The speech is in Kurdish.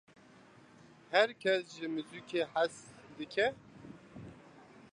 Her kes ji muzîkê hez dike?